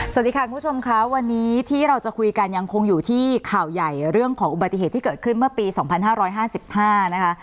สวัสดีค่ะคุณผู้ชมค่ะวันนี้ที่เราจะคุยกันยังคงอยู่ที่ข่าวใหญ่เรื่องของอุบัติเหตุที่เกิดขึ้นเมื่อปี๒๕๕๕นะคะ